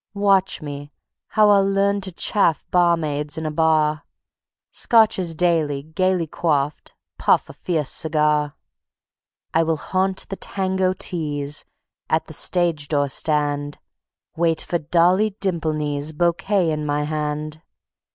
Watch me, how I'll learn to chaff barmaids in a bar; Scotches daily, gayly quaff, puff a fierce cigar. I will haunt the Tango teas, at the stage door stand; Wait for Dolly Dimpleknees, bouquet in my hand.